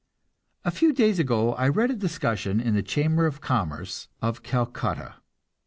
A few days ago I read a discussion in the Chamber of Commerce of Calcutta.